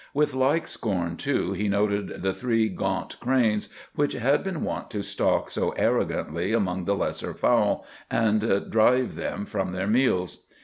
With like scorn, too, he noted the three gaunt cranes which had been wont to stalk so arrogantly among the lesser fowl and drive them from their meals.